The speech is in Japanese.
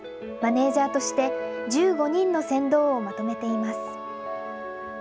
マネージャーとして、１５人の船頭をまとめています。